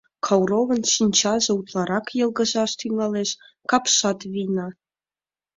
Кауровын шинчаже утларак йылгыжаш тӱҥалеш, капшат вийна.